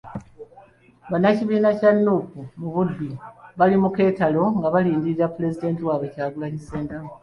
Bannakibiina kya Nuupu mu Buddu, bali mu keetalo nga balindirira Pulezidenti wabwe Kyagulanyi Ssentamu.